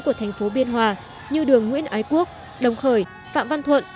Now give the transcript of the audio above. của thành phố biên hòa như đường nguyễn ái quốc đồng khởi phạm văn thuận